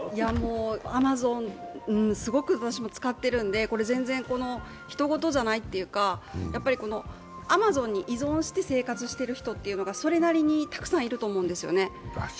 アマゾン、すごく私も使っているので全然ひと事じゃないというか、アマゾンに依存して生活してる人というのがそれなりにたくさんいると思うんですよね。